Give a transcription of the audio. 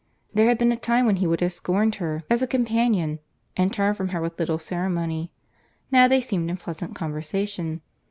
—There had been a time when he would have scorned her as a companion, and turned from her with little ceremony. Now they seemed in pleasant conversation.